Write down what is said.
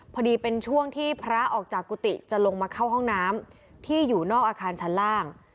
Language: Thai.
พอดีเป็นช่วงที่พระออกจากกุฏิจะลงมาเข้าห้องน้ำที่อยู่นอกอาคารชั้นล่าง